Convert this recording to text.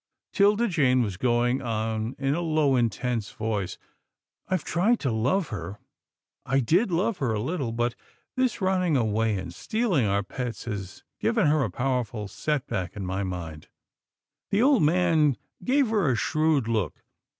'Tilda Jane was going on in a low, intense voice. " I've tried to love her — I did love her a little, but this running away and stealing our pets, has given her a powerful set back in my mind." The old man gave her a shrewd look.